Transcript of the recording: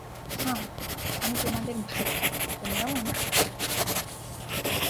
হাঁ, আমি তোমাদের ভাই, তোমরাও আমার ভাই।